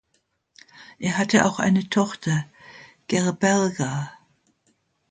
Er hatte auch eine Tochter: Gerberga.